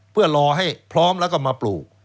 เพื่อรอให้พร้อมแล้วก็มาปลูก